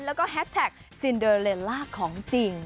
แล้วก็แฮสแท็กซินเดอร์เลล่าของจริง